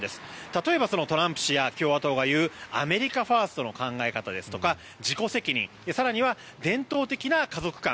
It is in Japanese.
例えばトランプ氏や共和党が言うアメリカファーストの考え方ですとか自己責任、更には伝統的な家族観